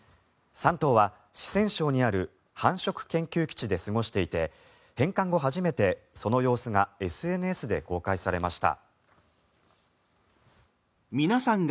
３頭は四川省にある繁殖研究基地で過ごしていて返還後初めて、その様子がＳＮＳで公開されました。